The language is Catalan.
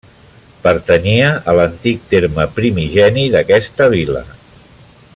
Pertanyia a l'antic terme primigeni d'aquesta vila.